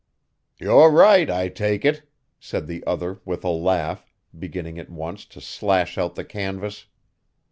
"You're right, I take it," said the other with a laugh, beginning at once to slash out the canvas.